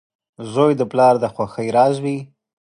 • زوی د پلار د خوښۍ راز وي.